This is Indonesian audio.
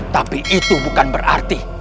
tapi itu bukan berarti